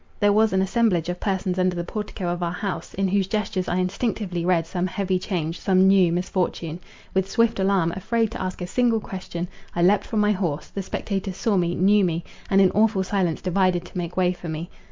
There was an assemblage of persons under the portico of our house, in whose gestures I instinctively read some heavy change, some new misfortune. With swift alarm, afraid to ask a single question, I leapt from my horse; the spectators saw me, knew me, and in awful silence divided to make way for me.